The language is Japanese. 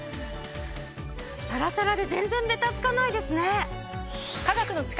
サラサラで全然ベタつかないですね！